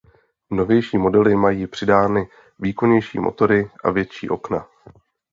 Novější modely mají přidány výkonnější motory a větší okna.